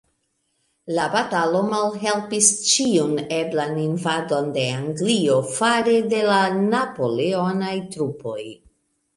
La batalo malhelpis ĉiun eblan invadon de Anglio fare de la napoleonaj trupoj.